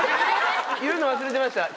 言うの忘れてましたあっ